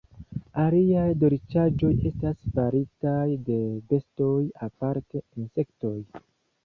Aliaj dolĉaĵoj estas faritaj de bestoj, aparte insektoj.